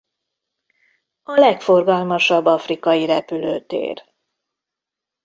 A legforgalmasabb afrikai repülőtér.